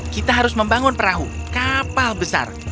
kita harus membangun perahu kapal besar